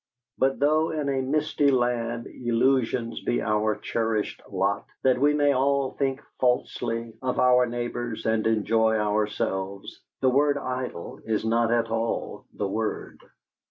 But though in a misty land illusions be our cherished lot, that we may all think falsely of our neighbours and enjoy ourselves, the word "idle" is not at all the word.